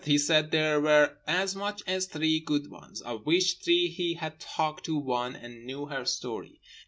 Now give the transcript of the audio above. He said there were as much as three Good ones, of which three he had talked to one and knew her story.